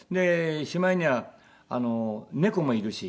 しまいには猫もいるし。